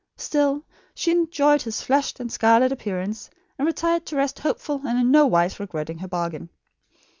Still, she enjoyed his flushed and scarlet appearance, and retired to rest hopeful and in no wise regretting her bargain.